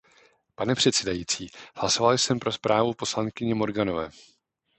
Pane předsedající, hlasoval jsem pro zprávu poslankyně Morganové.